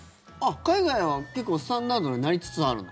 海外は結構スタンダードになりつつあるの？